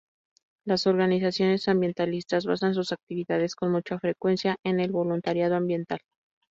Las organizaciones ambientalistas basan sus actividades con mucha frecuencia en el voluntariado ambiental.